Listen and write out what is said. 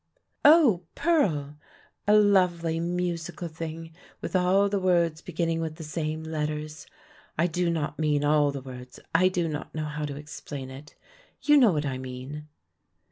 "Oh, 'Pearl,' a lovely musical thing with all the words beginning with the same letters. I do not mean all the words; I do not know how to explain it; you know what I mean."